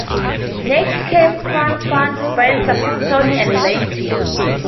Next came Craufurd, Spencer, Picton and Leith.